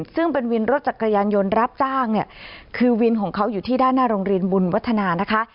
ซึ่งเป็นวินรถจักรยานยนต์รับจ้างเนี่ยคือวินของเขาอยู่ที่ด้านหน้าโรงเรียนบุญวัฒนานะคะ